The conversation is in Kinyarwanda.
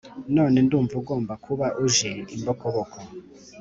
none ndumva ugomba kuba uje imbokoboko